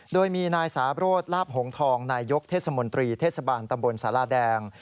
โดยมีนายสาโรธลาบหงทองนายยกเทศมนตรีเทศบาลตำบลสาราแดง